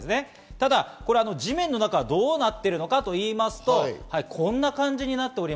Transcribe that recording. ただ地面の中はどうなっているのかと言いますとこんな感じです。